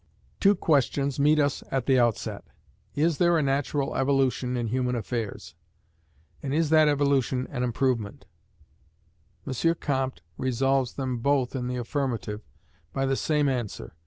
Two questions meet us at the outset: Is there a natural evolution in human affairs? and is that evolution an improvement? M. Comte resolves them both in the affirmative by the same answer.